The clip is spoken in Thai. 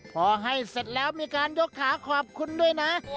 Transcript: พอให้เสร็จแล้วมีการยกขาขอบคุณด้วยนะ